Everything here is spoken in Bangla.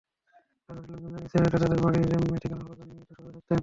আশপাশের লোকজন জানিয়েছেন, এটা তাঁদের বাড়ির ঠিকানা হলেও তাঁরা নিয়মিত শহরে থাকতেন।